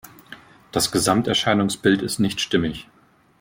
Das Gesamterscheinungsbild ist nicht stimmig.